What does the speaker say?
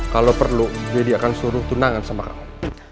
kalau perlu dia akan suruh tunangan sama kamu